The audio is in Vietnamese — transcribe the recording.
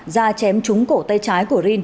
ra chém trúng cổ tay trái của rin